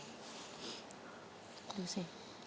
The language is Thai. ดูสิ